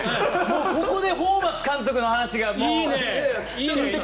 ここでホーバス監督の話が。